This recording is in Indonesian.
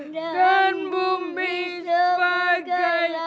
dan bumi sebagai lantainya